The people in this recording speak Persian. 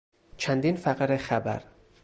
چندین فقره خبر